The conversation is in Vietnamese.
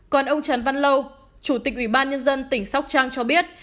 còn ông trần văn lâu chủ tịch ủy ban nhân dân tỉnh sóc trăng cho biết